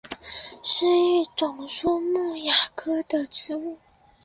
是一种苏木亚科的植物。